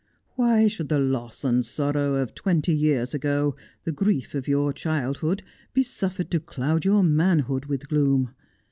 "Why should the loss and sorrow of twenty years ago, the grief of your child hood, be suffered to cloud your manhood with gloom